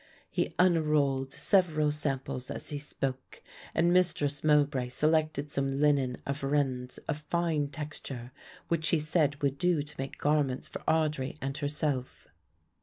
He unrolled several samples as he spoke, and Mistress Mowbray selected some linen of Rennes of fine texture, which she said would do to make garments for Audry and herself.